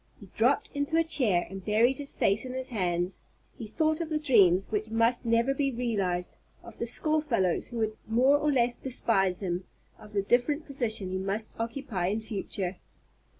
He dropped into a chair and buried his face in his hands. He thought of the dreams which must never be realized, of the school fellows who would more or less despise him, of the different position he must occupy in future.